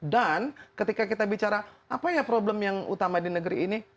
dan ketika kita bicara apa ya problem yang utama di negeri ini